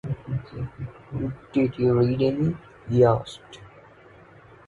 “Did you read any?” he asked.